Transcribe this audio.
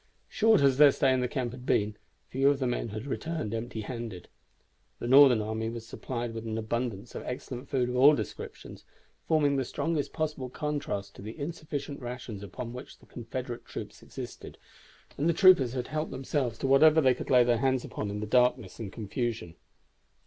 Short as their stay in the camp had been, few of the men had returned empty handed. The Northern army was supplied with an abundance of excellent food of all descriptions, forming the strongest possible contrast to the insufficient rations upon which the Confederate troops existed, and the troopers had helped themselves to whatever they could lay hands upon in the darkness and confusion.